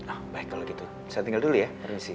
oh baik kalau gitu saya tinggal dulu ya permisi